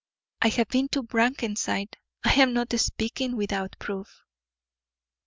I have been to Brackenside; I am not speaking without proof."